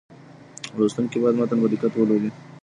لوستونکي باید متن په دقت ولولي.